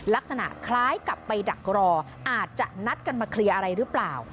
ลักษณะคล้ายกับไปดักรออาจจะนัดกันมาเคลียร์อะไรหรือเปล่า